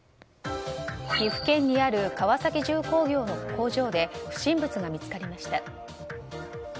岐阜県にある川崎重工業の工場で不審物が見つかりました。